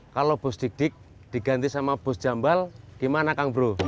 kalau bus dik dik diganti sama bus jambal gimana kang bro